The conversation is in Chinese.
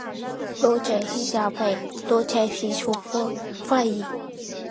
老龙恼怒闹老农，老农恼怒闹老龙。农怒龙恼农更怒，龙恼农怒龙怕农。